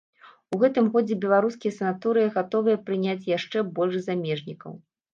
У гэтым годзе беларускія санаторыі гатовыя прыняць яшчэ больш замежнікаў.